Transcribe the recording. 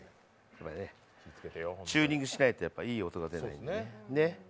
チューニングしないといい音が出ないから、ね。